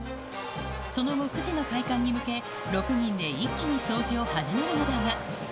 その後、９時の開館に向け、６人で一気に掃除を始めるのだが。